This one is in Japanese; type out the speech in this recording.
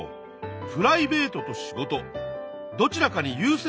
プライベートと仕事どちらかにゆう先